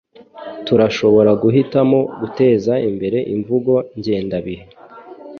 Turashobora guhitamo guteza imbere imvugo-ngengabihe